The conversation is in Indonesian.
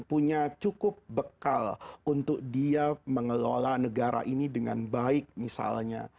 punya cukup bekal untuk dia mengelola negara ini dengan baik misalnya